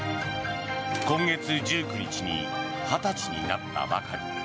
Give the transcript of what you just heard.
今月１９日に２０歳になったばかり。